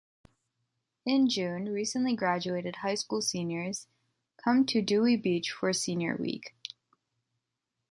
In June, recently graduated high school seniors come to Dewey Beach for Senior Week.